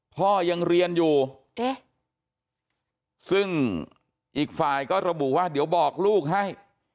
พ่อยังเรียนอยู่ซึ่งอีกฝ่ายก็ระบุว่าเดี๋ยวบอกลูกให้